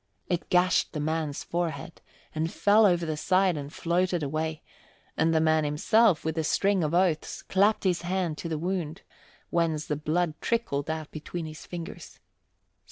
It gashed the man's forehead and fell over the side and floated away, and the man himself, with a string of oaths, clapped his hand to the wound, whence the blood trickled out between his fingers.